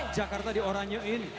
jakarta di orangnya ini